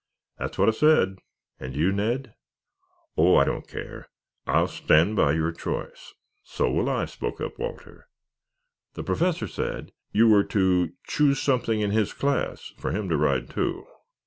"That's what I said." "And you, Ned?" "Oh, I don't care. I'll stand by your choice." "So will I," spoke up Walter. "The Professor said you were to choose something in his class for him to ride, too."